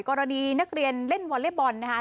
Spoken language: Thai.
กรณีนักเรียนเล่นวอเล็กบอลนะคะ